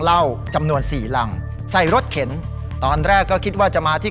เหล้าจำนวนสี่รังใส่รถเข็นตอนแรกก็คิดว่าจะมาที่